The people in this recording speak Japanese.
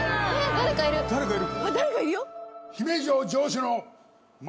「誰かいるよ！」